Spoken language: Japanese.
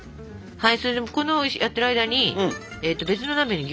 はい。